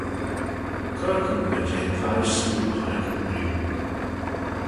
Cur coontey jeh'n thie smoo honnick oo rieau.